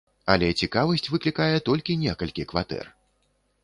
Але цікавасць выклікае толькі некалькі кватэр.